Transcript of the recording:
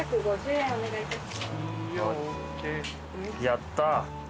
やった。